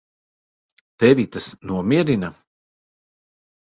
Tevi tas nomierina?